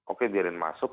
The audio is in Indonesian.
oke biarkan masuk